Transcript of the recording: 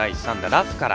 ラフから。